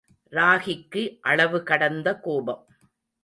ராகிக்கு அளவு கடந்த கோபம்.